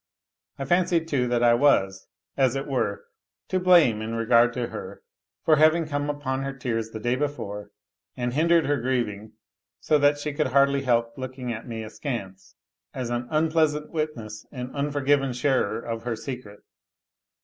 I fancied, too, that I was, as it were, to blame in regard to her, for having come upon her tears the day before and hindered her grieving, so that she could hardly help looking at me askance, as an unpleasant witness and unforgiven sharer of her secret.